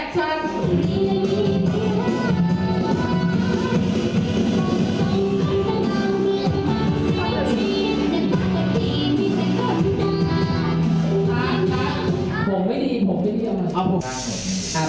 สุดท้ายก็ไม่มีเวลาที่จะรักกับที่อยู่ในภูมิหน้า